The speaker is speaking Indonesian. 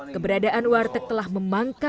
keberadaan warteg telah memangkak